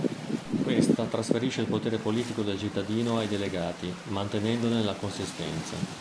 Questa trasferisce il potere politico dal cittadino ai delegati, mantenendone la "consistenza".